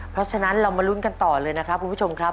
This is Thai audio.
เพราะฉะนั้นเรามาลุ้นกันต่อเลยนะครับคุณผู้ชมครับ